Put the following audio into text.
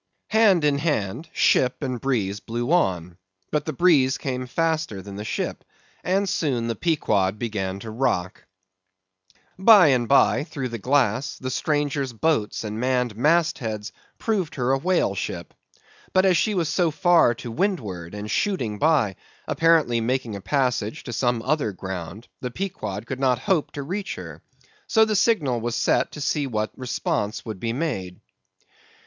Hand in hand, ship and breeze blew on; but the breeze came faster than the ship, and soon the Pequod began to rock. By and by, through the glass the stranger's boats and manned mast heads proved her a whale ship. But as she was so far to windward, and shooting by, apparently making a passage to some other ground, the Pequod could not hope to reach her. So the signal was set to see what response would be made.